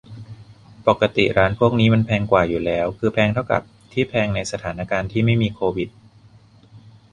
ปกติร้านพวกนี้มันแพงกว่าอยู่แล้ว คือแพงเท่ากับที่แพงในสถานการณ์ที่ไม่มีโควิด